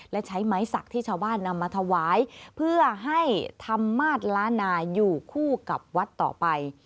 และใช้ไม้สักที่ชาวบ้านนำมาถวายเพื่อให้ธรรมมาสล้านนาอยู่คู่กับวัดต่อไป